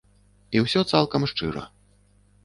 І ўсё цалкам шчыра.